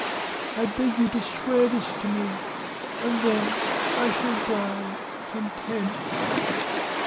I beg you to swear this to me, and then I shall die content."